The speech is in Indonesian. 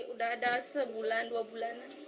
udah ada sebulan dua bulanan